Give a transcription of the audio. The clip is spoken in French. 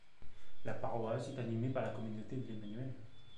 La paroisse est animée par la Communauté de l'Emmanuel.